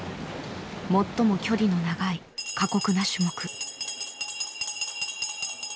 最も距離の長い過酷な種目。